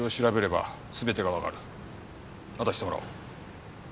渡してもらおう。